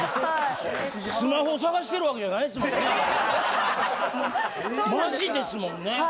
スマホ捜してるわけじゃないですもんね。